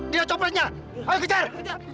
dia copreknya ayo kejar